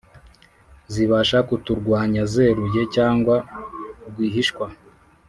zibasha kuturwanyazeruye cyangwa rwihishwa